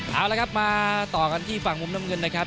เอาละครับมาต่อกันที่ฝั่งมุมน้ำเงินนะครับ